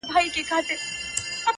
ګرفتاره په منګول د کورونا سو-